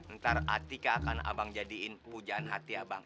ntar atika akan abang jadiin pujaan hati abang